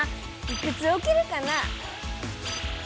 いくつおけるかな？